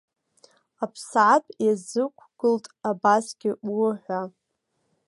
Аԥсаатә иазықәгылт абасгьы уы ҳәа.